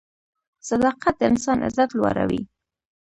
صداقت د انسان عزت لوړوي.